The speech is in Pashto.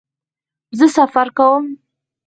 زه سفر کوم